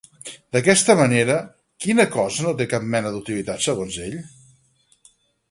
D'aquesta manera, quina cosa no té cap mena d'utilitat segons ell?